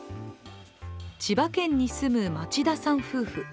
千葉県に住む町田さん夫婦。